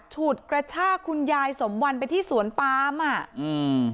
ฉุดกระชากคุณยายสมวันไปที่สวนปามอ่ะอืม